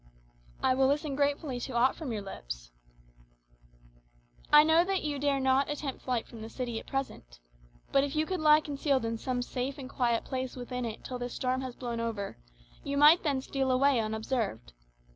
"I will listen gratefully to aught from your lips." "I know that you dare not attempt flight from the city at present. But if you could lie concealed in some safe and quiet place within it till this storm has blown over, you might then steal away unobserved.